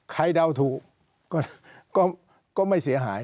เดาถูกก็ไม่เสียหาย